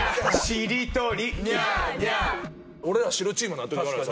俺ら白チーム納得いかない。